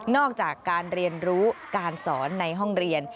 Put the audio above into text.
อกจากการเรียนรู้การสอนในห้องเรียน